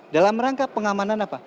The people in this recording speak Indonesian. dalam rangka pengamanan apa